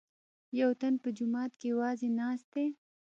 یوتن په جومات کې یوازې ناست دی.